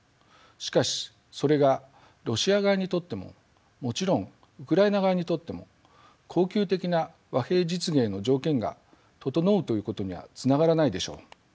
しかしそれがロシア側にとってももちろんウクライナ側にとっても恒久的な和平実現への条件が整うということにはつながらないでしょう。